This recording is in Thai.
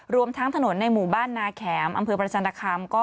รวมทั้งถนนในหมู่บ้านนาแขมอำเภอประจันตคาม